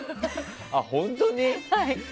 本当に？